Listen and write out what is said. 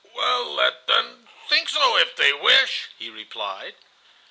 "Well, let them think so if they wish," he replied.